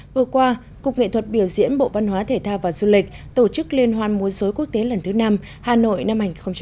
vừa qua cục nghệ thuật biểu diễn bộ văn hóa thể thao và du lịch tổ chức liên hoan múa dối quốc tế lần thứ năm hà nội năm hai nghìn một mươi chín